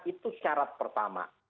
itu syarat pertama